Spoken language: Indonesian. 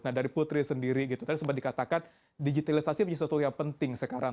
nah dari putri sendiri tadi sudah dikatakan digitalisasi adalah sesuatu yang penting sekarang